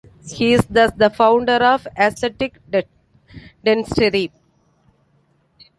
He is thus the founder of aesthetic dentistry.